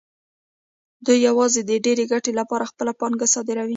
دوی یوازې د ډېرې ګټې لپاره خپله پانګه صادروي